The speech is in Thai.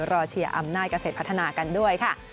เชียร์อำนาจเกษตรพัฒนากันด้วยค่ะ